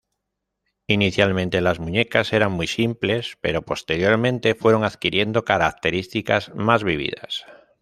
Inicialmente las muñecas eran muy simples, pero posteriormente fueron adquiriendo características más vívidas.